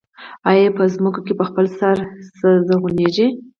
آیا په ځمکو کې په خپل سر څه زرغونېږي